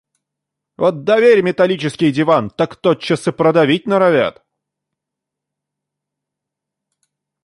Вот доверь металлический диван, так тот час и продавить норовят.